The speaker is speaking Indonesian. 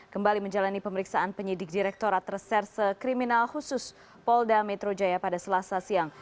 kembali menjalani pemeriksaan penyidik direkturat reserse kriminal khusus polda metro jaya pada selasa siang